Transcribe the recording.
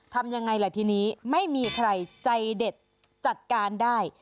ทำยังไงล่ะทีนี้ไม่มีใครใจเด็ดจัดการได้